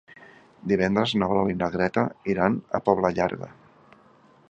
Divendres na Blau i na Greta iran a la Pobla Llarga.